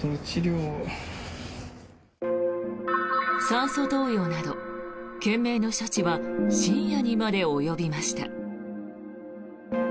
酸素投与など懸命の処置は深夜にまで及びました。